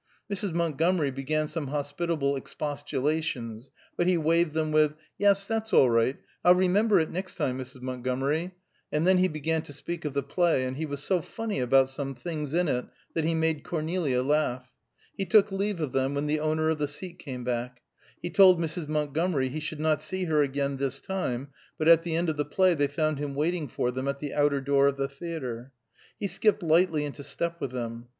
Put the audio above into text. Mrs. Montgomery began some hospitable expostulations, but be waived them with, "Yes; that's all right. I'll remember it next time, Mrs. Montgomery," and then he began to speak of the play, and he was so funny about some things in it that he made Cornelia laugh. He took leave of them when the owner of the seat came back. He told Mrs. Montgomery he should not see her again this time; but at the end of the play they found him waiting for them at the outer door of the theatre. He skipped lightly into step with them.